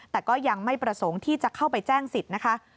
แต่ก็ยังไม่ประสงค์ที่จะเข้าไปแจ้งสิทธิ์นะคะ